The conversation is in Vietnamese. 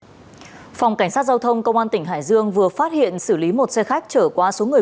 phòng cảnh sát giao thông công an tỉnh hải dương vừa phát hiện xử lý một xe khách trở qua số người